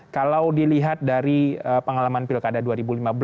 kalau dilihat dari pengalaman pilkada dua ribu lima belas